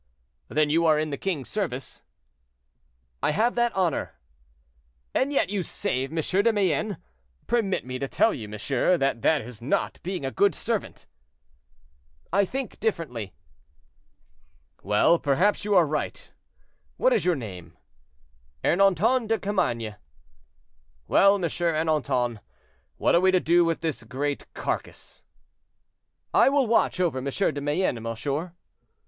"Then you are in the king's service?" "I have that honor." "And yet you save M. de Mayenne? Permit me to tell you, monsieur, that that is not being a good servant." "I think differently." "Well, perhaps you are right. What is your name?" "Ernanton de Carmainges." "Well, M. Ernanton, what are we to do with this great carcase?" "I will watch over M. de Mayenne, monsieur."